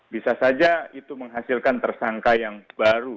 bisa saja itu menghasilkan tersangka yang baru